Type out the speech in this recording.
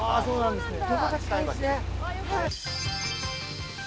そうなんです！